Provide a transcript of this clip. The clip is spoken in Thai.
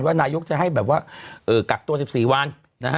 ว่านายุคจะให้แบบว่ากักตัว๑๔วัน